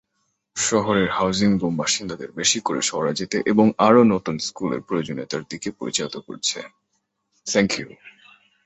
শহরের housing boom বাসিন্দাদের বেশি করে শহরে যেতে এবং আরও নতুন স্কুলের প্রয়োজনীয়তার দিকে পরিচালিত করেছে।